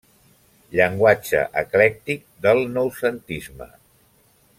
Llenguatge eclèctic del noucentisme.